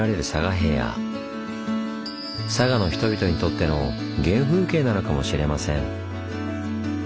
佐賀の人々にとっての原風景なのかもしれません。